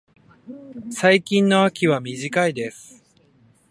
最近の秋は短いです。